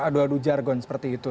aduh aduh jargon seperti itu